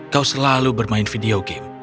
kau selalu bermain video game